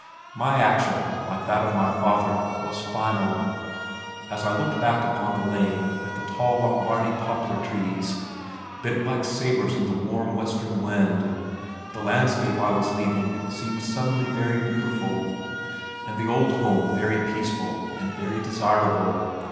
My action, like that of my father, was final. As I looked back up the lane at the tall Lombardy poplar trees bent like sabres in the warm western wind, the landscape I was leaving seemed suddenly very beautiful, and the old home very peaceful and very desirable.